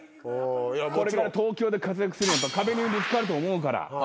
これから東京で活躍するには壁にぶつかると思うから。